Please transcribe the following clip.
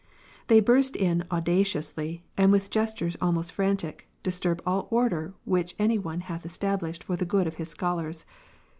They burst in audaciously^ and with gestures almost frantic, disturb all order which any one hath esta blished for the good of his scholars.